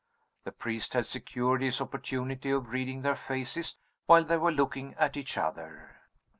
The priest had secured his opportunity of reading their faces while they were looking at each other.